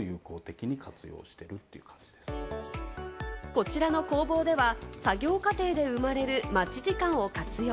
こちらの工房では、作業過程で生まれる待ち時間を活用。